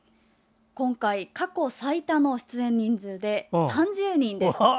今回過去最多の出演人数で３０人です。